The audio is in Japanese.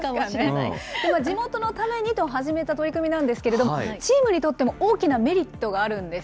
地元のためにと始めた取り組みなんですけれども、チームにとっても大きなメリットがあるんです。